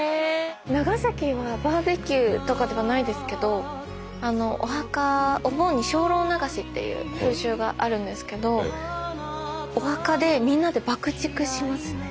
長崎はバーベキューとかではないですけどお墓お盆に精霊流しっていう風習があるんですけどお墓でみんなで爆竹しますね。